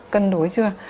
cân đối chưa